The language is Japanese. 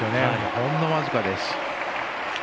ほんの僅かです。